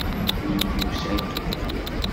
Win d-yusan, kifkif.